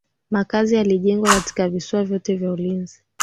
Makazi yalijengwa katika visiwa vyote vya ulinzi